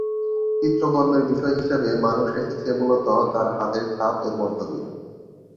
চিত্রকর্মের বিষয় হিসাবে মানুষ এসেছে মূলতঃ তার হাতের ছাপ এর মধ্য দিয়ে।